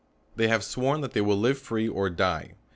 " They have sworn that they will live FREE or DIE